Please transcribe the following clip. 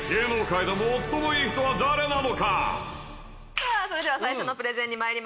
さぁそれでは最初のプレゼンにまいりましょう。